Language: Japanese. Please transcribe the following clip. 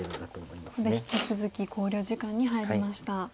ここで引き続き考慮時間に入りました。